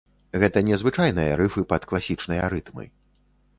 Гэта не звычайныя рыфы пад класічныя рытмы.